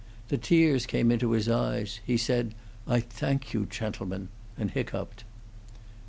The tears came into his eyes; he said, "I thank you, chendlemen," and hiccoughed.